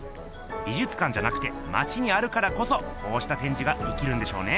美術館じゃなくてまちにあるからこそこうした展示がいきるんでしょうね。